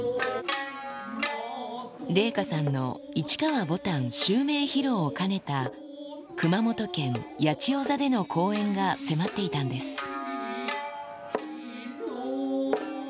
麗禾さんの市川ぼたん襲名披露を兼ねた、熊本県八千代座での公演が迫っていたんです。